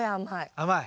甘い。